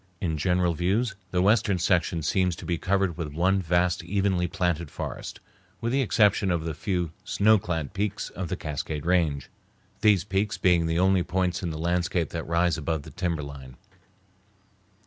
In general views the western section seems to be covered with one vast, evenly planted forest, with the exception of the few snow clad peaks of the Cascade Range, these peaks being the only points in the landscape that rise above the timberline.